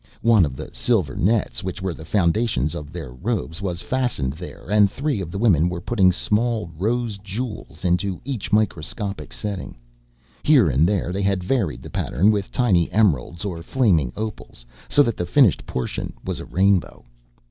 One of the silver nets, which were the foundations of their robes, was fastened there and three of the women were putting small rose jewels into each microscopic setting. Here and there they had varied the pattern with tiny emeralds or flaming opals, so that the finished portion was a rainbow.